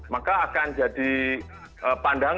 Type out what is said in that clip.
maka akan jadi pandangan